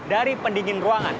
dari pendingin ruangan